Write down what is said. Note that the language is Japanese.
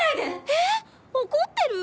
ええ怒ってる？